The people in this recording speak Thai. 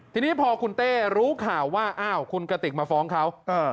ทีนี้พอคุณเต้รู้ข่าวว่าอ้าวคุณกติกมาฟ้องเขา